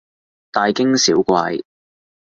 大驚小怪